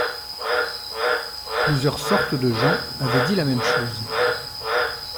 Plusieurs sortes de gens avaient dit la même chose.